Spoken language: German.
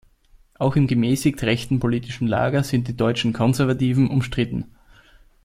Auch im gemäßigt rechten politischen Lager sind Die Deutschen Konservativen umstritten.